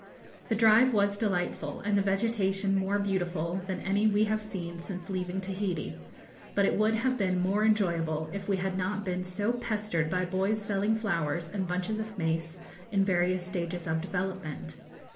The drive was delightful, and the vegetation more beautiful than any we have seen since leaving Tahiti, but it would have been more enjoyable if we had not been so pestered by boys selling flowers and bunches of mace in various stages of development.